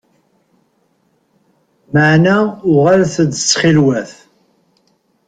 Meɛna uɣalet-d ttxil-wet!